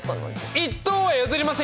１等は譲りませんよ！